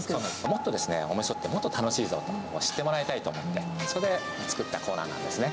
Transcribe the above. もっとおみそってもっと楽しいぞと、知ってもらいたいと思って、それで作ったコーナーなんですね。